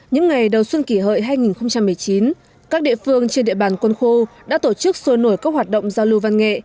những ngày đầu xuân kỷ hợi hai nghìn một mươi chín các địa phương trên địa bàn quân khu đã tổ chức sôi nổi các hoạt động giao lưu văn nghệ